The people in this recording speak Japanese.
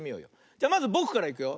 じゃまずぼくからいくよ。